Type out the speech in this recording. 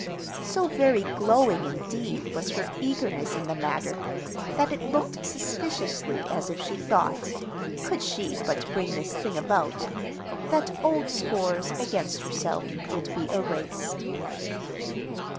So very glowing, indeed, was her eagerness in the matter, that it looked suspiciously as if she thought, could she but bring this thing about, that old scores against herself would be erased.